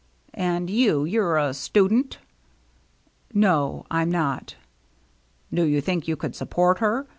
" And you — you're a student ?"" No, I'm not." " Do you think you could support her